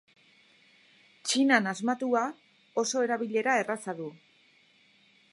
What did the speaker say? Txinan asmatua, oso erabilera erraza du.